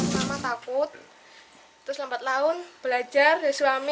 mama takut lalu lambat laun belajar dari suami